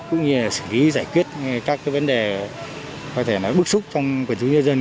cũng như là xử lý giải quyết các cái vấn đề có thể nói bức xúc trong quận dụng nhân dân